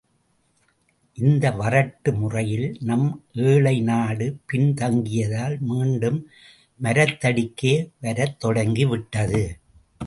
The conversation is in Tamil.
இந்த வறட்டு முறையில் நம் ஏழை நாடு பின் தங்கியதால் மீண்டும் மரத்தடிக்கே வரத் தொடங்கிவிட்டது.